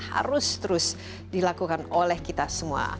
harus terus dilakukan oleh kita semua